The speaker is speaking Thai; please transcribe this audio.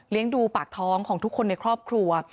ดูปากท้องของทุกคนในครอบครัว